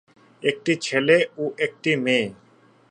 একটি ছেলে ও একটি মেয়ে।